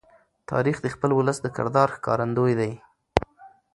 تاریخ د خپل ولس د کردار ښکارندوی دی.